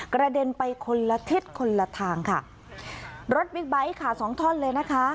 กระเด็นไปคนละทิศคนละทางค่ะรถบิ๊กไบท์ค่ะสองท่อนเลยนะคะ